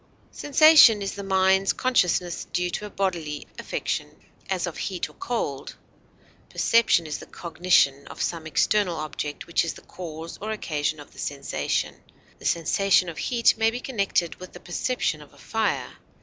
Sensation is the mind's consciousness due to a bodily affection, as of heat or cold; perception is the cognition of some external object which is the cause or occasion of the sensation; the sensation of heat may be connected with the perception of a fire.